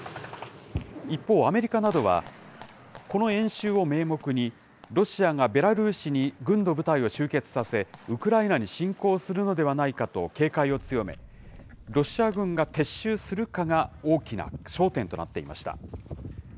一方、アメリカなどは、この演習を名目に、ロシアがベラルーシに軍の部隊を集結させ、ウクライナに侵攻するのではないかと警戒を強め、ロシア軍が撤収するかが大きな焦点となっていました。